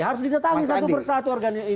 harus ditetanggi satu persatu organisasi ini